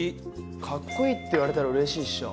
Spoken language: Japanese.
カッコいいって言われたら嬉しいっしょ。